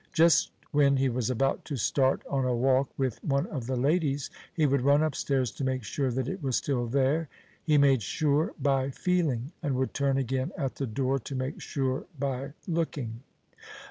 Just when he was about to start on a walk with one of the ladies, he would run upstairs to make sure that it was still there; he made sure by feeling, and would turn again at the door to make sure by looking.